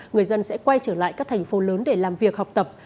người dân sẽ quay trở lại các thành phố lớn để làm việc học tập